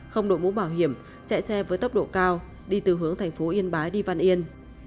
không đội mũ bảo hiểm chạy xe với tốc độ cao đi từ hướng thành phố yên bái đi văn yên